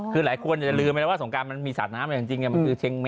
พี่หลายคนจะลืมแบบสงการมันมีสัตว์น้ำอะไรจริง